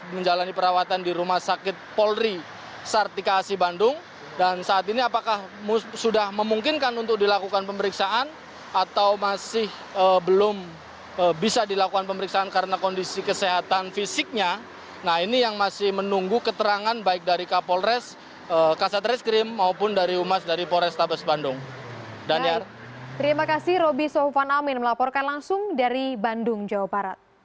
terima kasih robby soevan amin melaporkan langsung dari bandung jawa barat